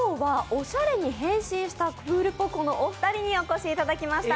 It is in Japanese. オシャレに変身したクールポコのお二人にお越しいただきました。